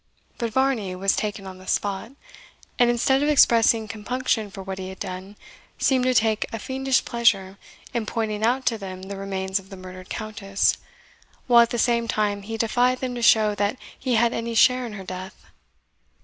But Varney was taken on the spot; and instead of expressing compunction for what he had done, seemed to take a fiendish pleasure in pointing out to them the remains of the murdered Countess, while at the same time he defied them to show that he had any share in her death.